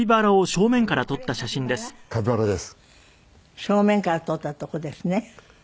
正面から撮ったとこですね。